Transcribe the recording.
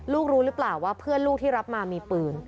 รู้หรือเปล่าว่าเพื่อนลูกที่รับมามีปืน